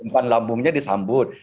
umpan lambungnya disambut